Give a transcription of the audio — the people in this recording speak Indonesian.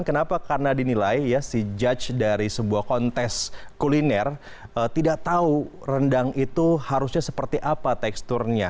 kenapa karena dinilai ya si judge dari sebuah kontes kuliner tidak tahu rendang itu harusnya seperti apa teksturnya